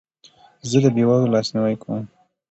زه د بې وزلو لاسنیوی کوم.